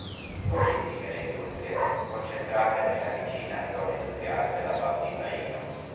Pochissime le industrie, concentrate nella vicina zona industriale della Val Dittaino.